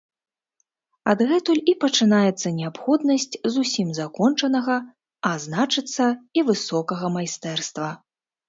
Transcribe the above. Адгэтуль і пачынаецца неабходнасць зусім закончанага, а значыцца, і высокага майстэрства.